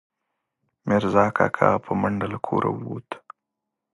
میرزا کاکا، په منډه له کوره ووت